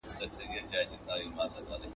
که وینه نه وي، ناروغان به ستونزې ولري.